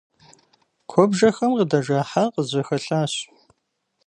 Куэбжэхэм къыдэжа хьэр къызжьэхэлъащ.